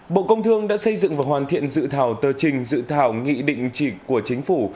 bộ công thương đã xây dựng và hoàn thiện dự thảo tờ trình dự thảo nghị định chỉ của chính phủ